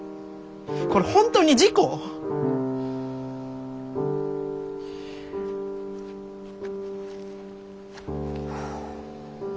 これ本当に事故！？はあ。